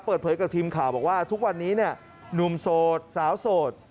เปิดเผยกับทีมข่าวบอกว่าทุกวันนี้เนี่ยหนุ่มโสดสาวโสด